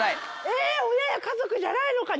えぇ⁉親や家族じゃないのか。